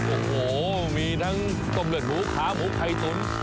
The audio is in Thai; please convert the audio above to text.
โอ้โหมีทั้งต้มเลือดหมูขาหมูไข่ตุ๋น